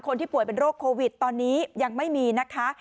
คนที่ป่วยเป็นโรคโควิดตอนนี้ยังไม่มีนะคะ